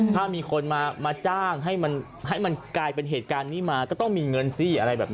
ถ้ามีคนมามาจ้างให้มันกลายเป็นเหตุการณ์นี้มาก็ต้องมีเงินเซี่ย